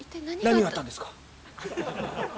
何があったんですか！？